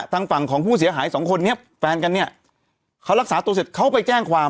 ทางฝั่งของผู้เสียหายสองคนนี้แฟนกันเนี่ยเขารักษาตัวเสร็จเขาไปแจ้งความ